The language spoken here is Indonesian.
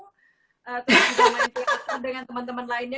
semoga kita bisa menikmati waktu dengan teman teman lainnya